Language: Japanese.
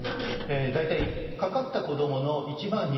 大体かかった子どもの１万２、